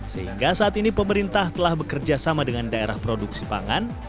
sehingga saat ini pemerintah telah bekerja sama dengan daerah produksi pangan